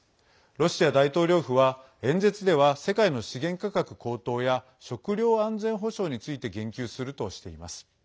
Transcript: ロシア大統領府は演説では世界の資源価格高騰や食糧安全保障について言及するとしています。